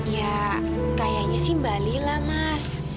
ya kayaknya sih mbak lila mas